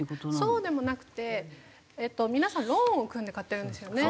そうでもなくて皆さんローンを組んで買ってるんですよね